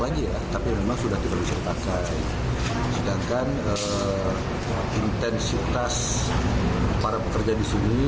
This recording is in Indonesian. lagi ya tapi memang sudah tidak bisa dipakai sedangkan intensitas para pekerja di sini